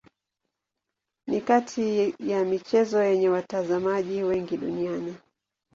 Ni kati ya michezo yenye watazamaji wengi duniani.